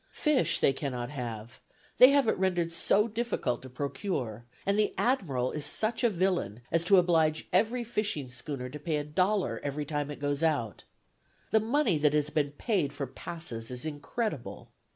Fish they cannot have, they have rendered it so difficult to procure; and the admiral is such a villain as to oblige every fishing schooner to pay a dollar every time it goes out. The money that has been paid for passes is incredible.